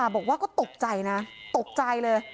บอกว่าก็ตกใจนะตกใจเลย